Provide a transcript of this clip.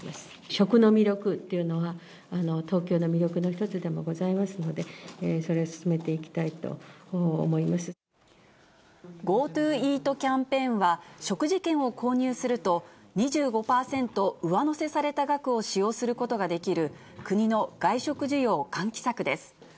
食の魅力というのが、東京の魅力の一つでもございますので、ＧｏＴｏＥａｔキャンペーンは、食事券を購入すると、２５％上乗せされた額を使用することができる、国の外食需要喚起策です。